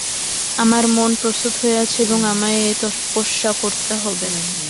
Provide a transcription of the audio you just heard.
আমার মন প্রস্তুত হয়ে আছে এবং আমায় এ-তপস্যা করতে হবে।